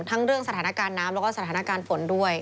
เรื่องสถานการณ์น้ำแล้วก็สถานการณ์ฝนด้วย